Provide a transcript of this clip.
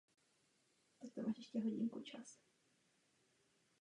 Nejprve bych chtěl říci, že bychom neměli nic skrývat.